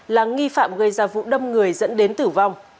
là nghi phạm gây ra vụ đâm người dẫn đến tử vong